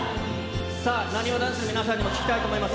さあ、なにわ男子の皆さんにも聞きたいと思います。